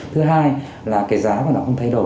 thứ hai là cái giá mà nó không thay đổi